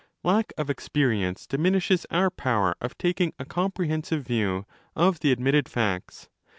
Lack of experience diminishes our power of taking 5 a comprehensive view of the admitted facts.